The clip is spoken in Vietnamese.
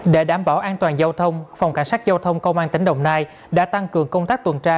để đảm bảo an toàn giao thông phòng cảnh sát giao thông công an tỉnh đồng nai đã tăng cường công tác tuần tra